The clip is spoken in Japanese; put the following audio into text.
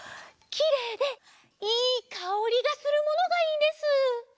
きれいでいいかおりがするものがいいんです。